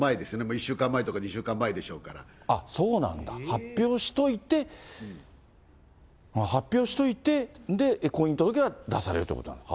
１週間前とか２週間前とかでしょうそうなんだ、発表しといて、発表しといて、で、婚姻届を出されるということ。